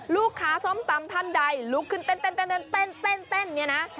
ลูกค้าส้มตำท่านใดลุกขึ้นเต้น